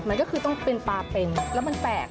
มันก็คือต้องเป็นปลาเป็นแล้วมันแปลก